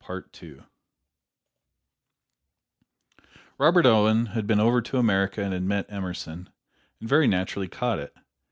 Robert Owen had been over to America and had met Emerson, and very naturally caught it.